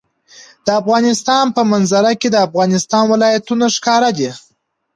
د افغانستان په منظره کې د افغانستان ولايتونه ښکاره ده.